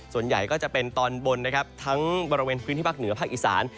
ส่วนใหญ่ก็จะเป็นตอนบนนะครับทั้งบริเวณพื้นที่ภาคเหนือภาคอีสาน